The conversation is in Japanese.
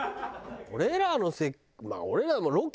俺らの。